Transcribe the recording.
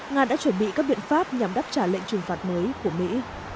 nga đã chuẩn bị các biện pháp nhằm đáp trả lệnh trừng phạt mới của mỹ